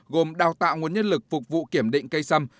gồm đào tạo nguồn nhân lực phục vụ kiểm định cây sâm